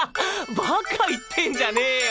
バカ言ってんじゃねえよ！